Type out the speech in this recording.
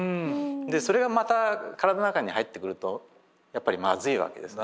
でそれがまた体の中に入ってくるとやっぱりまずいわけですね。